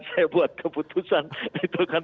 saya buat keputusan itu kan